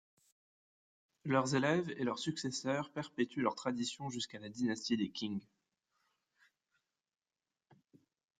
Leurs élèves et leurs successeurs perpétuent leur tradition jusqu'à la dynastie des Qing.